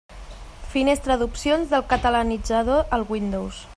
Finestra d'opcions del Catalanitzador al Windows.